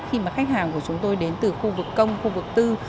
khi mà khách hàng của chúng tôi đến từ khu vực công khu vực tư